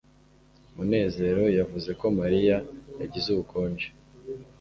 munezero yavuze ko mariya yagize ubukonje